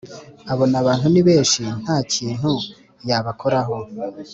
abona abantu nibenshi ntakintu yabakoraho